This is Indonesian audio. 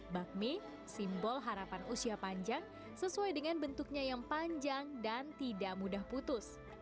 bakmi simbol harapan usia panjang sesuai dengan bentuknya yang panjang dan tidak mudah putus